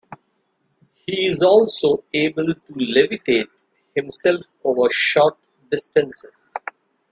He is also able to levitate himself over short-distances.